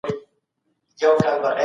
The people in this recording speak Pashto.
د الله تعالی حقوق ډېر لوړ دي.